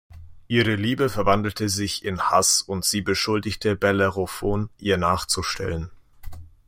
Ihre Liebe verwandelte sich in Hass und sie beschuldigte Bellerophon ihr nachzustellen.